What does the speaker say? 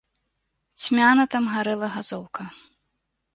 Цьмяна там гарэла газоўка.